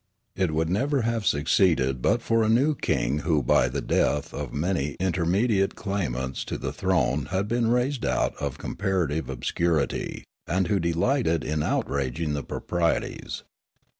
It would never have succeeded but for a new king who by the death of many intermediate claimants to the throne had been raised out of comparative ob .scurity, and who delighted in outraging the proprieties.